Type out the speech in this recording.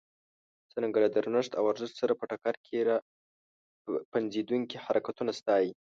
څرنګه له درنښت او ارزښت سره په ټکر کې را پنځېدونکي حرکتونه ستایي.